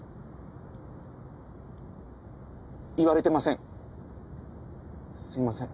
言われてません。